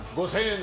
６０００円。